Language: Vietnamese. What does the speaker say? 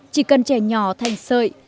chỉ cần chè nhỏ thanh sợi